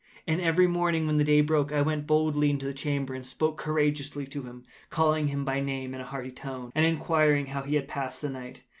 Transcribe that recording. And every morning, when the day broke, I went boldly into the chamber, and spoke courageously to him, calling him by name in a hearty tone, and inquiring how he has passed the night.